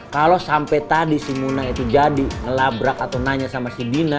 kalau sampai tadi si muna itu jadi ngelabrak atau nanya sama si dina